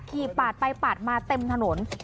ปาดไปปาดมาเต็มถนน